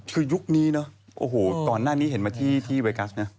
คือยุคนี้เนอะโอ้โหก่อนหน้านี้เห็นมาที่เวกัสนะ